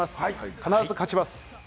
必ず勝ちます！